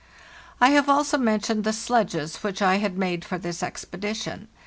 I have also mentioned the s/edges which I had made for this expedition.